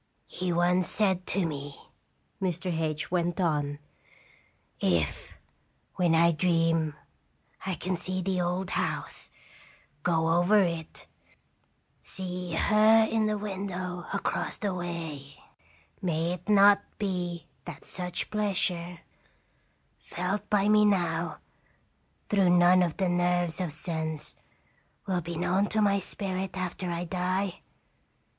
"" "He once said to me," Mr. H went on: "'If, when I dream, I can see the old house, go over it, see her in the window across the way, may it not be that such pleasure, felt by me now through none of the nerves of sense, will be known to my spirit after I die